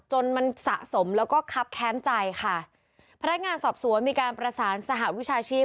จนมันสะสมแล้วก็คับแค้นใจค่ะพนักงานสอบสวนมีการประสานสหวิชาชีพ